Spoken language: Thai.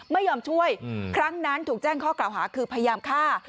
ไม่ยอมช่วยครั้งนั้นถูกแจ้งข้อกล่าวหาคือพยายามฆ่า